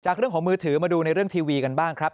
เรื่องของมือถือมาดูในเรื่องทีวีกันบ้างครับ